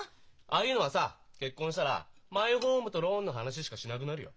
ああいうのはさ結婚したらマイホームとローンの話しかしなくなるよ。